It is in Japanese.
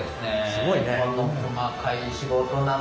すごいね。